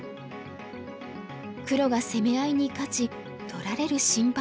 黒が攻め合いに勝ち取られる心配はない。